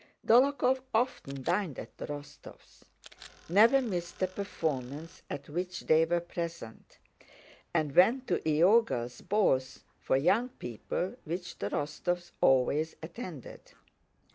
Dólokhov often dined at the Rostóvs', never missed a performance at which they were present, and went to Iogel's balls for young people which the Rostóvs always attended.